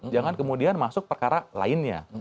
jangan kemudian masuk perkara lainnya